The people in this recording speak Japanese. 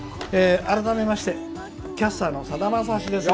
改めましてキャスターのさだまさしです。